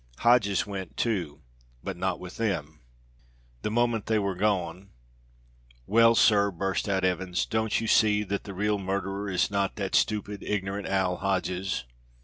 Hodges went, too, but not with them. The moment they were gone "Well, sir," burst out Evans, "don't you see that the real murderer is not that stupid, ignorant owl, Hodges?"